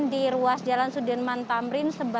di ruas jalan sudirman tamrin